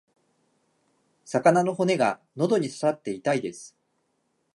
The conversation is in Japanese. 魚の骨が喉に刺さって痛いです。